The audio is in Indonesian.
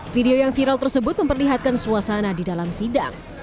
video yang viral tersebut memperlihatkan suasana di dalam sidang